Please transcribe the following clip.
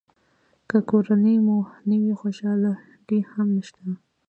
که کورنۍ مو نه وي خوشالي هم نشته.